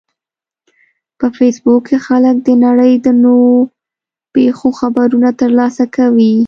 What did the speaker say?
په فېسبوک کې خلک د نړۍ د نوو پیښو خبرونه ترلاسه کوي